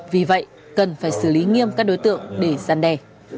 vì vậy cần phải xử lý nghiêm các đối tượng để giăn đè